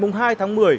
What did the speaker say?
ngày hai tháng một mươi